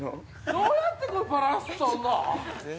◆どうやってこれバランスとるの。